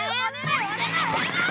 お願い！